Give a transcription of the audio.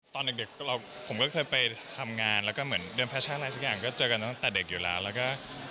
ตอนเด็กผมก็เคยไปทำงานแล้วก็เหมือนเดินแฟชั่นอะไรสักอย่างก็เจอกันตั้งแต่เด็กอยู่แล้วแล้วก็